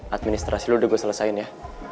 administrasi lu udah gue selesain ya